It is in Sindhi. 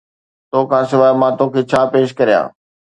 توکان سواءِ مان توکي ڇا پيش ڪريان؟